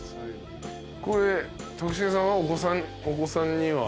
これ徳重さんは？